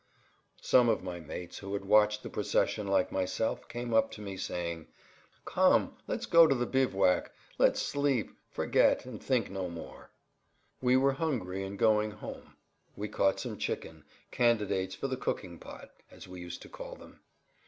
Some of my mates who had watched the procession like myself came up to me saying, "Come, let's go to the bivouac. Let's sleep, forget, and think no more." We were hungry and, going "home," we caught some chicken, "candidates for the cooking pot," as we used to call them.